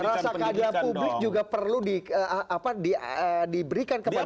rasa keadilan publik juga perlu diberikan kepada